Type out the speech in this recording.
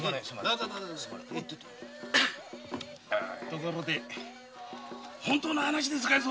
ところで本当の話ですかい？